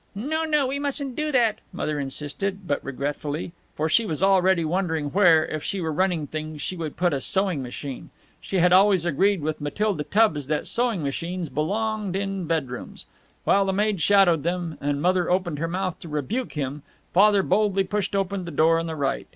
"No, no, we mustn't do that," Mother insisted, but regretfully. For she was already wondering where, if she were running things, she would put a sewing machine. She had always agreed with Matilda Tubbs that sewing machines belonged in bedrooms. While the maid shadowed him and Mother opened her mouth to rebuke him, Father boldly pushed open the door on the right.